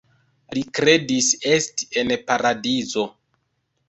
Li kredis esti en paradizo.